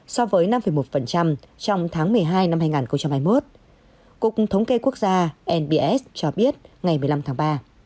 so với năm một trong tháng một mươi hai năm hai nghìn hai mươi một cục thống kê quốc gia nbs cho biết ngày một mươi năm tháng ba